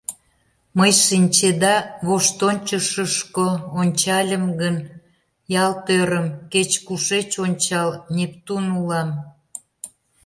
Мый, шинчеда, воштончышышко ончальым гын, ялт ӧрым: кеч-кушеч ончал — Нептун улам.